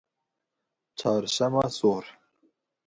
çarşema sor